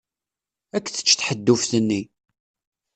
Ad k-tečč tḥedduft-nni.